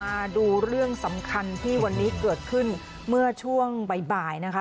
มาดูเรื่องสำคัญที่วันนี้เกิดขึ้นเมื่อช่วงบ่ายนะคะ